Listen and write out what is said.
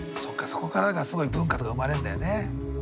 そこからがすごい文化とか生まれるんだよね。